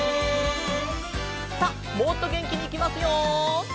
さあもっとげんきにいきますよ！